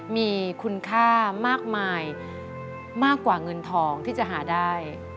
มีคุณค่ามากมายมากกว่าเงินทองที่จะหาได้